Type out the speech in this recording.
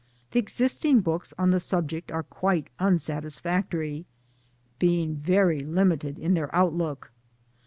The existing! books on the subject are quite unsatisfactory, being very limited in their outlook.